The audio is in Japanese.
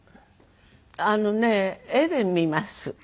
あのね画で見ます。